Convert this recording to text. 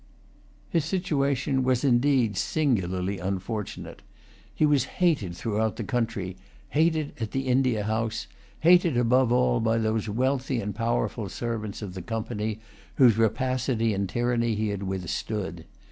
His situation was indeed singularly unfortunate. He was hated throughout the country, hated at the India House, hated, above all, by those wealthy and powerful servants of the Company, whose rapacity and tyranny he had withstood.